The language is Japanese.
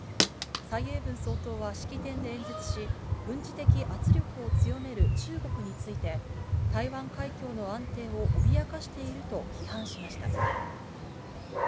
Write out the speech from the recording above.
蔡英文総統は式典で演説し、軍事的圧力を強める中国について、台湾海峡の安定を脅かしていると批判しました。